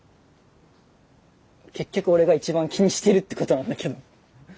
結局俺が一番気にしてるってことなんだけど。